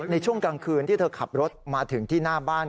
ในช่วงกลางคืนที่เธอขับรถมาถึงที่หน้าบ้าน